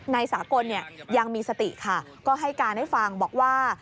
นายสากลยังมีสติค่ะก็ให้การให้ฟังบอกว่า